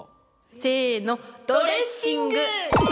せのドレッシング！